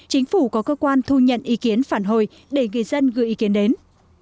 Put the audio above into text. chính phủ có cơ quan thu nhận ý kiến phản hồi để người dân gửi ý kiến đến